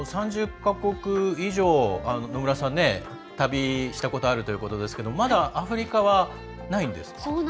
３０か国以上野村さん、旅したことあるってことですけどまだアフリカはないんですか。